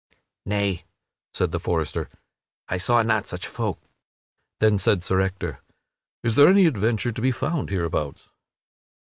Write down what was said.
"Nay," said the forester, "I saw not such folk." Then said Sir Ector, "Is there any adventure to be found hereabouts?"